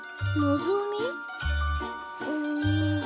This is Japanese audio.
うん。